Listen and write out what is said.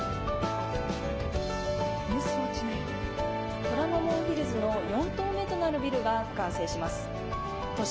虎ノ門ヒルズの４棟目となるビルが完成します。